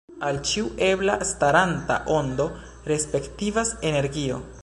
Al ĉiu ebla staranta ondo respektivas energio.